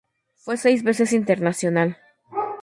Fue seis veces internacional.